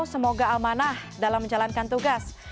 semoga amanah dalam menjalankan tugas